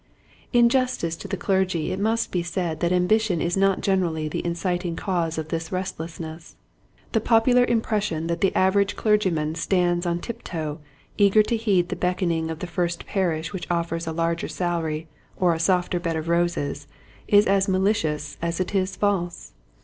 In justice to the clergy it must be said that ambition is not generally the inciting cause of this restlessness. The popular im pression that the average clergyman stands on tip toe eager to heed the beckoning of the first parish which offers a larger salary or a softer bed of roses is as malicious as it is false.